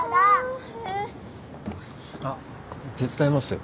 あっ手伝いますよ。